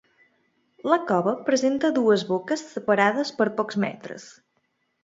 La cova presenta dues boques separades per pocs metres.